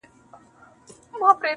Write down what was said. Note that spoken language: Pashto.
یو خو دا چي نن مي وږي ماشومان دي -